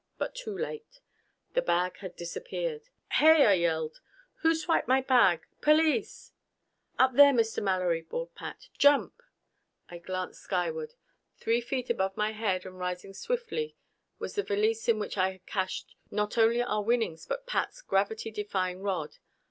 But too late. The bag had disappeared. "Hey!" I yelled. "Who swiped my bag? Police!" "Up there, Mr. Mallory!" bawled Pat. "Jump!" I glanced skyward. Three feet above my head and rising swiftly was the valise in which I had cached not only our winnings but Pat's gravity defying rod!